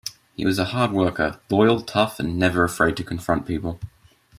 He was a hard worker, loyal, tough, and never afraid to confront people.